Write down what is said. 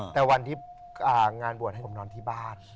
แต่วันที่งานบวชให้ผมนอนที่บ้าน